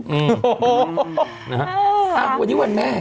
โอ้โหวันนี้วันแม่แห่งชาติ